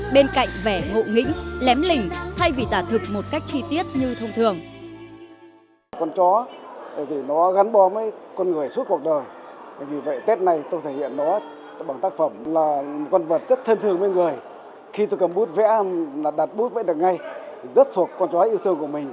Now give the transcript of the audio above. bên cạnh vẻ ngộ nghĩnh lém lình thay vì tả thực một cách chi tiết như thông thường